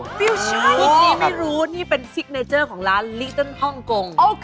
กูพี่สีไม่รู้นี่เป็นซิกเนเจอร์ของร้านฮ่องกง